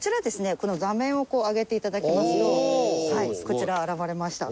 この座面を上げて頂きますとはいこちら現れました。